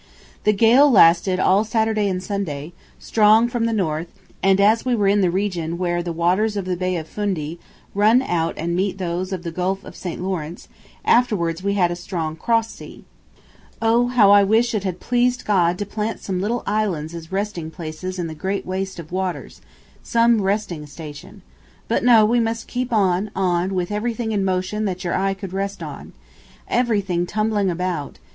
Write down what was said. The gale lasted all Saturday and Sunday, strong from the North, and as we were in the region where the waters of the Bay of Fundy run out and meet those of the Gulf of St. Lawrence, afterwards we had a strong cross sea. May you never experience a "cross sea." ... Oh how I wished it had pleased God to plant some little islands as resting places in the great waste of waters, some resting station. But no, we must keep on, on, with everything in motion that your eye could rest on. Everything tumbling about